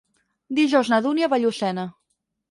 Dijous na Dúnia va a Llucena.